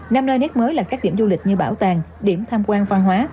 năm nơi nét mới là các điểm du lịch như bảo tàng điểm thăm quan phan hóa